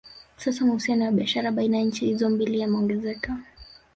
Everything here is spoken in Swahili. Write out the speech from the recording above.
Sasa mahusiano ya biashara baina ya nchi hizo mbili yameongezeka